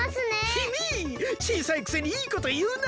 きみちいさいくせにいいこというな。